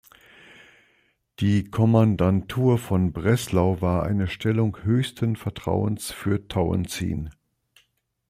Die Kommandantur von Breslau war eine Stellung höchsten Vertrauens für Tauentzien.